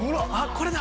これだ